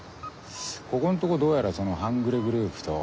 ここんとこどうやらその半グレグループと。